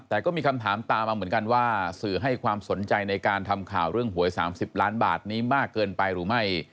แต่ก็มีคำถามตามมาเหมือนกันว่าสื่อให้ความสนใจในการทำข่าวเรื่องหวย๓๐ล้านบาทนี้มากเกินไปหรือไม่